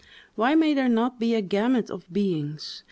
Why may there not be a gamut of beings?